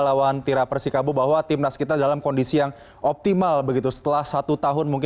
lawan tiraper sikabo bahwa timnas kita dalam kondisi yang optimal begitu setelah satu tahun